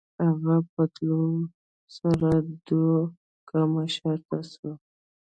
هغه په تلوار سره دوه گامه شاته سوه.